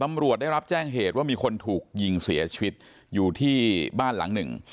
ตำรวจได้รับแจ้งเหตุว่ามีคนถูกยิงเสียชีวิตอยู่ที่บ้านหลังหนึ่ง